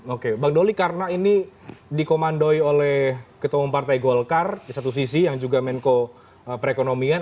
oke bang doli karena ini dikomandoi oleh ketua umum partai golkar di satu sisi yang juga menko perekonomian